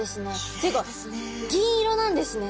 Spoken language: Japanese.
っていうか銀色なんですね。